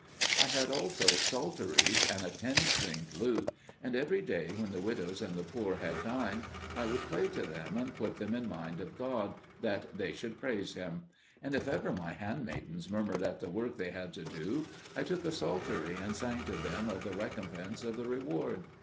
I had also psalteries and a ten stringed lute, and every day when the widows and the poor had dined I would play to them and put them in mind of God, that they should praise Him. And if ever my handmaidens murmured at the work they had to do, I took a psaltery and sang to them of the recompense of the reward.